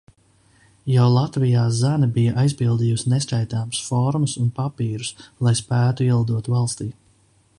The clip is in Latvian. Jau Latvijā Zane bija aizpildījusi neskaitāmas formas un papīrus, lai spētu ielidot valstī.